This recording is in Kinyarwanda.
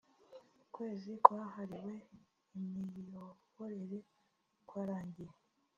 ukwezi kwahariwe imiyoborere kwarangiye.